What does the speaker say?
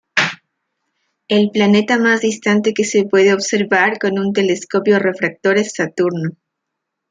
El planeta más distante que se puede observar con un telescopio refractor es Saturno.